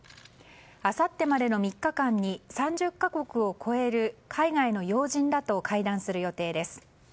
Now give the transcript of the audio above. あさってまでの３日間に３０か国を超える海外の要人らと会談する予定です。